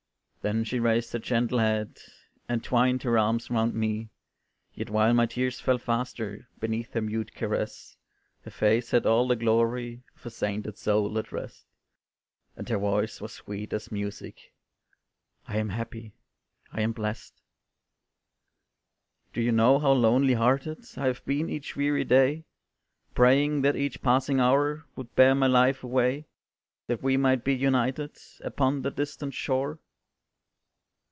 Then she raised her gentle head, And twined her arms about me; Yet while my tears fell faster, Beneath her mute caress, Her face had all the glory Of a sainted soul at rest; And her voice was sweet as music, "I am happy I am blest." "Do you know how lonely hearted I have been each weary day, Praying that each passing hour Would bear my life away, That we might be united Upon that distant shore?"